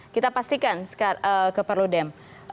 kita pastikan ke perlodem